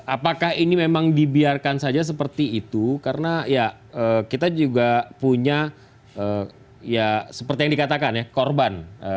apakah ini memang dibiarkan saja seperti itu karena ya kita juga punya ya seperti yang dikatakan ya korban